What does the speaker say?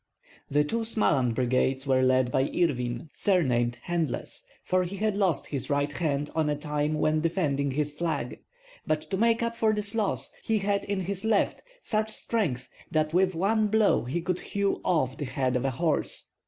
The two Smaland brigades were led by Irwin, surnamed Handless, for he had lost his right hand on a time while defending his flag; but to make up for this loss he had in his left such strength that with one blow he could hew off the head of a horse.